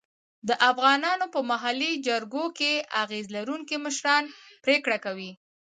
د افغانانو په محلي جرګو کې اغېز لرونکي مشران پرېکړه کوي.